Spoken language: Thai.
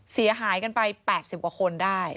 เสียหายกันไป๘๐กว่าคนได้